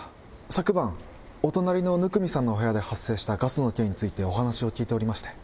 昨晩お隣の生見さんのお部屋で発生したガスの件についてお話を聞いておりまして。